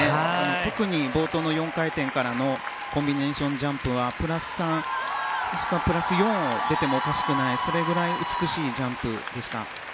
特に冒頭の４回転からのコンビネーションジャンプはプラス３、もしくはプラス４が出てもおかしくないそれぐらい美しいジャンプでした。